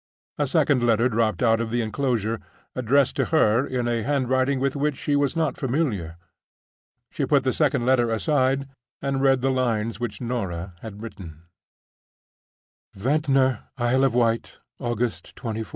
A second letter dropped out of the inclosure, addressed to her in a handwriting with which she was not familiar. She put the second letter aside and read the lines which Norah had written: "Ventnor, Isle of Wight, August 24th.